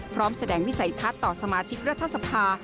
พร้อมแสดงวิสัยทัศน์ต่อสมาชิกรัฐสภา